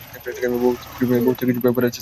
ভৌতিক কিছু ব্যাপার আছে স্যার।